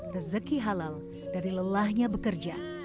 rezeki halal dari lelahnya bekerja